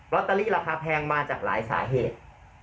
ตเตอรี่ราคาแพงมาจากหลายสาเหตุ